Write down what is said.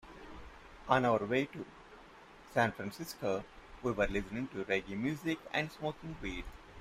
On our way to San Francisco, we were listening to reggae music and smoking weed.